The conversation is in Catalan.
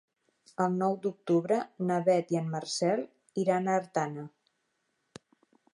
El nou d'octubre na Beth i en Marcel iran a Artana.